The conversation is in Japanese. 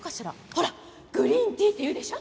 ほらグリーンティーって言うでしょ？